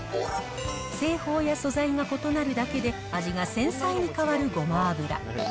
製法や素材が異なるだけで、味が繊細に変わるごま油。